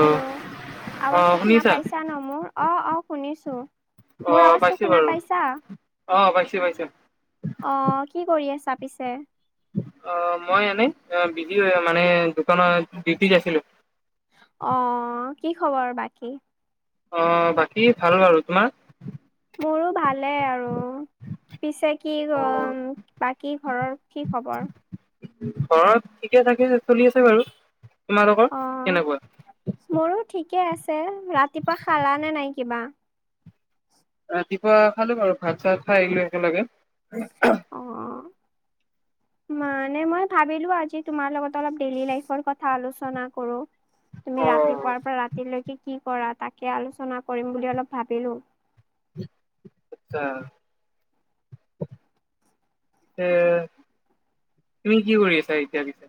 Hello অ আৱাজটো শুনা শুনিছা পাইছা ন মোৰ অ', অ' শুনিছোঁ। অ মোৰ আৱাজটো পাইছো শুনা বাৰু পাইছা? অ পাইছো পাইছো অহ কি কৰি আছা? পিছে অহ', মই এনেই বিজি হৈ মানে দোকানত ডিউটিত আছিলো। অ'হকি খবৰ বাকী? অহ বাকী ভাল বাৰু তোমাৰ। মোৰো ভালে আৰু পিছে কি অ কম বা কি ঘৰৰ কি খবৰ? ঘৰত ঠিকে থাকে চলি আছে বাৰু তোমালোকৰ অ কেনেকুৱা? মোৰো ঠিকে আছে ৰাতিপুৱাই খালা নে নাই কিবা। ৰাতিপুৱা খালো বাৰু ভাত চাত খাই আহিলা একেলগে। অহ অহ। মানে মই ভাবিলোঁ আজি তোমাৰ লগত অলপ ডেলি লাইফৰ কথা আলোচনা কৰোঁ। অ তুমি ৰাতিপুৱাৰ পৰা ৰাতিলৈকে কি কৰা তাকে আলোচনা কৰিম বুলি অলপ ভাবিলোঁ। [unintelligible] তে তুমি কি কৰি আছা এতিয়াৰ পিছে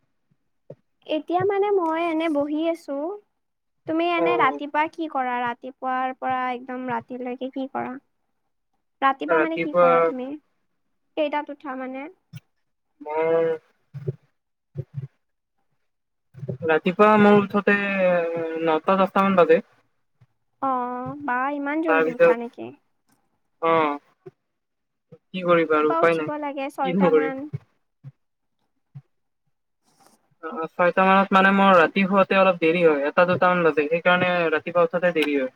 এতিয়া মানে মই এনে বহি আছোঁ। তুমি অ এনে ৰাতিপুৱা কি? কৰা। ৰাতিপুৱাৰ পৰা একদম ৰাতিলৈকে কি কৰা? ৰাতিপুৱা মানে কি কৰা তুমি, কেইটাত উঠা মানে? মোৰ। ৰাতিপুৱা মই উঠোঁতে নটা দচটা মান বাজে। অহ', বা ইমান জল্দি উঠা নেকি? অহ কি কৰিবা আৰু ৰাতিপুৱা উপায় উঠিব নাই লাগে ছয়টা কিনো মান। কৰিম অহ ছয়টা মানত মানে মোৰ ৰাতি শুৱতে অলপ দেৰি হয় এটা দুটা মান বাজে সেইকাৰণে ৰাতিপুৱা উঠাতে দেৰি হয়।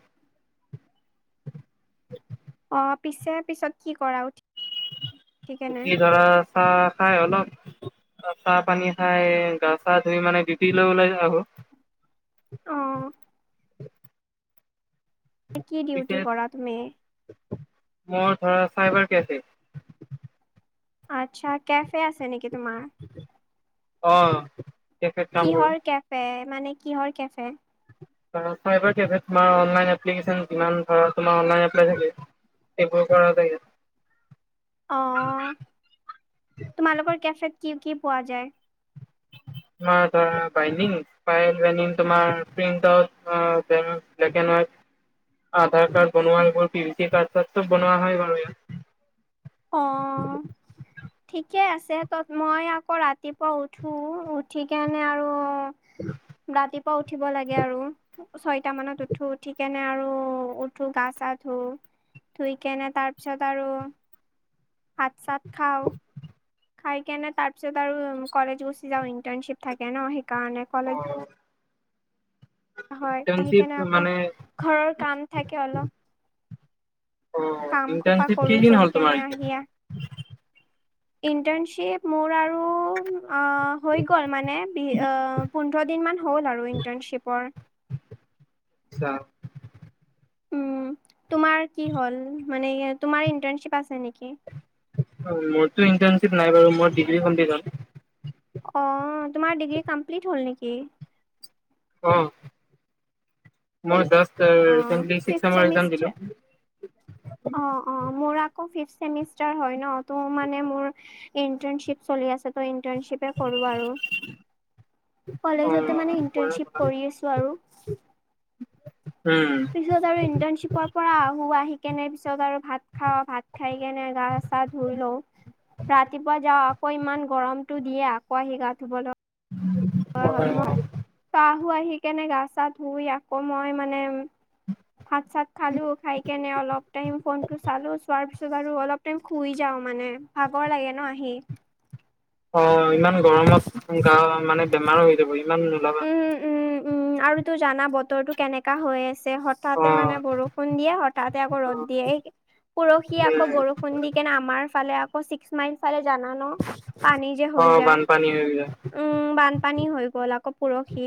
অহ পিছে পিছত কি কৰা উঠি কেনে? উঠি ধৰা চাহঁ খাই অলপ। চাহ পানী খাই গা চা ধুই মানে ডিউটি লৈ ওলাই যাওঁ আক অহ কি তেতিয়া ডিউটি কৰা তুমি। মোৰ ধৰা চাইবাৰ কেফে। আচ্ছা কেফে আছে নেকি তোমাৰ অহ কিহৰ কেফে মানে কিহৰ কেফেত। ধৰা প্ৰাইভেট কেফেত তোমাৰ অনলাইন এপ্লিকেচন যিমান পাৰা তোমাৰ অনলাইনত থাকে। এইবোৰ কৰা থাকে অ' তোমালোকৰ কেফেত কি কি পোৱা যায়? তোমাৰ ধৰা বাইনিং। প্ৰাই বাইনিং তোমাৰ প্ৰীণ্টআউট হয় black and white. Aadhaar card বনোৱাৰ এইবোৰ পি ভি চি কাৰ্ড চাত চব বনোৱা হয় এইবাবে। অ' [inaudible] ঠিকে আছে, তত মই আকৌ ৰাতিপুৱা উঠো, উঠিকেনে আৰু ৰাতিপুৱা উঠিব লাগে আৰু। ছয়টা মানত উঠো, উঠিকেনে আৰু উঠো গা চা ধো ধুইকেনে তাৰপিছত আৰু ভাত - চাত খাও খাই কেনে তাৰপিছত আৰু কলেজ গুচি যাওঁ, ইণ্টাৰ্ণচিপ থাকে ন সেইকাৰণে কলেজ অ', হয় ইণ্টাৰ্ণশ্বিপ আহিকিনে আকৌ মানে ঘৰৰ কাম থাকে অলপ। অ', কাম খোপা ইণ্টাৰ্ণশ্বিপ কৰো, কেইদিন হ'ল কৰি তোমাৰ কেনে এতিয়া? আহি ইয়াত ইণ্টাৰ্ণশ্বিপ মোৰ আৰু আ হৈ গল মানে বি আ পোন্ধৰ দিনমান হ'ল আৰু ইন্টাৰ্ণশ্বিপৰ। চাম। উম, তোমাৰ কি হল মানে ই এ তোমাৰ ইণ্টাৰনশ্বীপ আছে নেকি? অ মোৰতো ইণ্টাৰশ্বীপ নাই বাৰু, মই ডীগ্ৰী [inaudible] যাম। অ, তোমাৰ ডিগ্ৰী কামপ্লিট হল নেকি? অ, মই জাষ্ট আ চেম অ', চিক্স ফিফ্থ চেমৰ ইকজাম চেমিষ্টাৰ দিলো। অ অ, মোৰ আকৌ ফিফ চেমিষ্টাৰ হয় ন, তো মানে মোৰ ইণ্টাৰ্নশিপ চলি আছে ত ইণ্টাৰ্নশিপ তে কৰো আৰু কলেজতে মানে অ', কৰা কৰা। ইণ্টাৰ্নশিপ কৰি আছোঁ আৰু। উম। পিছত আৰু ইন্টাৰ্নশ্বিপৰ পৰা আহো আহি কেনে পিছত আৰু ভাত খাও, ভাত খাই কেনে গা চা ধুই লও, ৰাতিপুৱা যাও আকৌ ইমান গৰমটো দিয়ে আকৌ আহি গা ধুব ল [unintelligible] হয় হয় মই, ত আহো আহি কেনে গা চা ধুই আকৌ মই মানে ভাত - চাত খালো, খাই কেনে অলপ টাইম ফনটো চালো চোৱাৰ পিছ ত বাৰু অলপ টাইম শুই যাওঁ মানে ভাগৰ লাগে ন আহি। অ, ইমান গৰমত গা মানে বেমাৰো হৈ যাব, ইমান ৰদত উম উম উম আৰু তো জানা বতৰটো কেনে কা হৈ আছে হঠাতে মানে অ', বৰষুণ দিয়ে হঠাতে আকৌ ৰ'দ অ', দিয়ে এই পৰহি আকৌ সেয়াই। বৰষুণ দি কেনে আমাৰ ফালে আকৌ ছিক্স মাইল ফালে জানা ন? পানী যে হৈ অ', যায়। বানপানী হৈ যায়। উম বানপানী হৈ গ'ল আকৌ পৰহি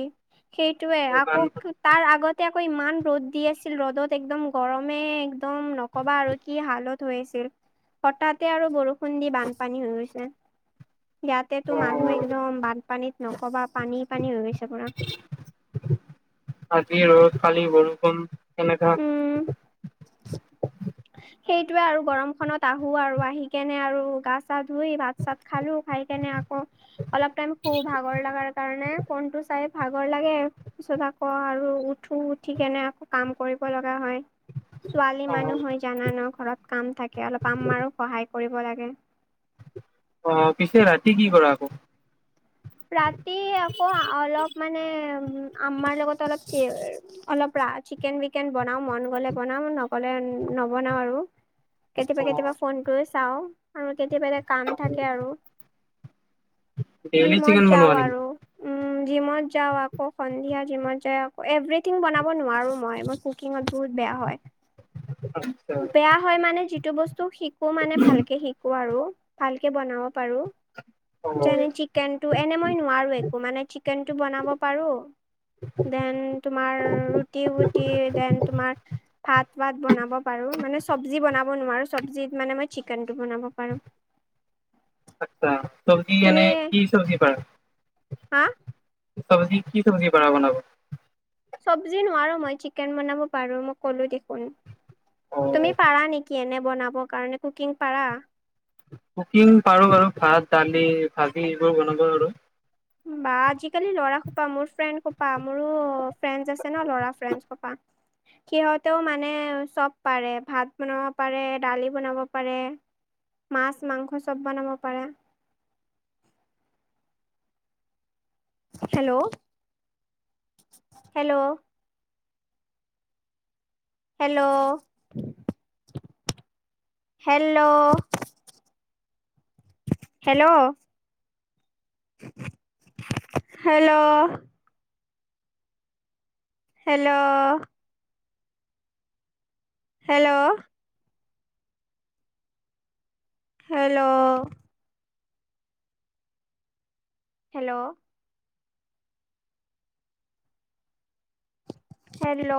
সেইটোৱে বান আকৌ তাৰ আগতে আকৌ ইমান ৰ'দ দি আছিল, ৰ'দত একদম গৰমে একদম ন ক'বা আৰু কি হালত হৈ আছিল? হঠাতে আৰু বৰষুণ দি বানপানী হৈ গৈছে। ইয়াতেতো মানুহ অ', একদম বানপানীত নকবা পানী - পানী হৈ গৈছে পোৰা। আজি ৰ কালি বৰষুণ কেনেকা উম। সেইটোৱে আৰু গৰমখনত আহোঁ আৰু আহি কেনে আৰু গা চা ধুই, ভাত -চাত খালোঁ, খাই কেনে আকৌ অলপ টাইম শু ভাগৰ লগাৰ কাৰণে ফোনটো চাই ভাগৰ লাগে। তাৰ পিছত আকৌ আৰু উঠো, উঠি কেনে আকৌ কাম কৰিব লগা হয়, ছোৱালী অ', মানুহ হয়। জানানো ঘৰত কাম থাকে অলপ আম্মাৰো সহায় কৰিব লাগে। অ পিছে ৰাতি কি কৰা আকৌ ৰাতি আকৌ অলপ মানে আম্মাৰ লগত অলপ অলপ চিকেন বিকেন বনাও মন গলে বনাও ন গলে নবনাও আৰু কেতিয়াবা কেতিয়াবা ফোনটো চাও আৰু কেতিয়াবা এটা কাম থাকে আৰু ডেইলি জিমত চিকেন যাওঁ বনুৱা নি আৰু উম জিভাত যাওঁ আকৌ সন্ধিয়া জিমত য আকৌ এভথিং বনাব নোৱাৰো মই কুকিং বহুত বেয়া হয় আচ্ছা বেয়া হয় মানে যিটো বস্তু শিকো মানে ভালকে শিকো আৰু ভালকে বনাও পাৰু অ', যেনে চিকেন ত এনে মই নোৱাৰো একো মানে চিকেনটো বনাব পাৰো দেন তোমাৰ ৰুটি বুটি দেন তোমাৰ ভাত বাত বনাব পাৰো মানে চব্জি বনাব নোৱাৰো চবজিত মানে মই চিকেনটো বনাব পাৰো আচ্ছা চব্জি তুমি এনে কি চব্জি পাৰা হা চবজি কি চব্জি পাৰ বনাব চব্জি নোৱাৰো মই চিকেন বনাব পাৰো মই ক'লো দেখোন তুমি অ', পাৰা নেকি এনে বনাব কাৰণে কুকিং পাৰা কুকিং পাৰো বাৰু ভাত দালি ভাজি এইবোৰ বনাব পাৰু বা আজিকালি ল'ৰা খোপা মোৰ ফ্ৰেণ্ড খোপা মোৰো ফ্ৰেণ্ডছ আছে ন ল'ৰা ফ্ৰেণ্ড খপা সিহঁতেও মানে চব পাৰে ভাত বনাব পাৰে দালি বনাব পাৰে মাছ মাংস চব বনাব পাৰে hello hello hello hello hello hello hello hello hello hello hello